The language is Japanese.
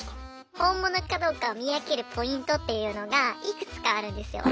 本物かどうかを見分けるポイントっていうのがいくつかあるんですよ。